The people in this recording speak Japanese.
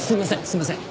すいません。